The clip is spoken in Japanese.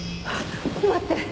待って！